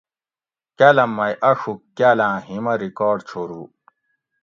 کالام مئ آڛوگ کال آۤں ہیم اۤ ریکارڈ چھورو